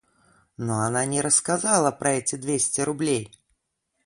Но она не рассказала про эти двести рублей.